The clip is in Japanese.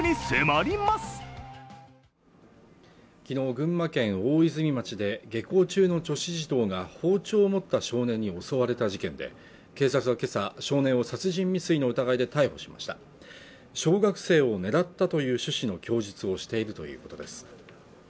群馬県大泉町で下校中の女子児童が包丁を持った少年に襲われた事件で警察は今朝少年を殺人未遂の疑いで逮捕しました小学生を狙ったという趣旨の供述をしているということです